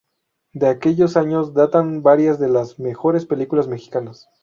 De aquellos años datan varias de las mejores películas mexicanas.